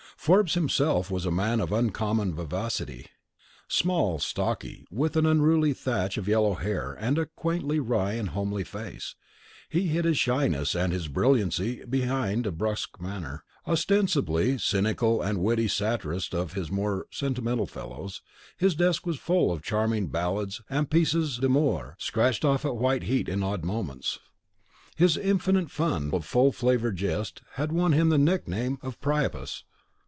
Forbes himself was a man of uncommon vivacity. Small, stocky, with an unruly thatch of yellow hair and a quaintly wry and homely face, he hid his shyness and his brilliancy behind a brusque manner. Ostensibly cynical and a witty satirist of his more sentimental fellows, his desk was full of charming ballades and pieces d'amour, scratched off at white heat in odd moments. His infinite fund of full flavoured jest had won him the nickname of Priapus.